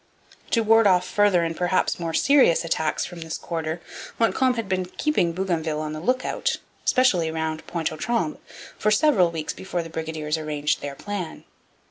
To ward off further and perhaps more serious attacks from this quarter, Montcalm had been keeping Bougainville on the lookout, especially round Pointe aux Trembles, for several weeks before the brigadiers arranged their plan.